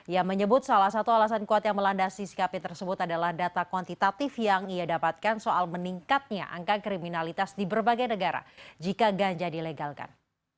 yang menyebut salah satu alasan kuat yang melandasi sikapnya tersebut adalah data kuantitatif yang ia dapatkan soal meningkatnya angka kriminalitas di berbagai negara jika ganja dilegalkan